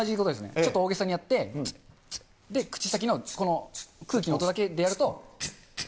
ちょっと大げさにやって、口先のこの空気の音だけでやると。